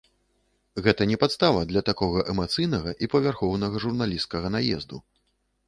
Гэта не падстава для такога эмацыйнага і павярхоўнага журналісцкага наезду.